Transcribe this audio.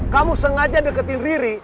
kamu sengaja deketin riri